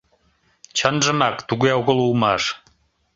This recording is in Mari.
Чынжымак туге огыл улмаш.